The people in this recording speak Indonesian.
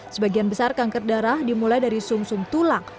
sebagian besar kanker darah dimulai dari sum sum tulang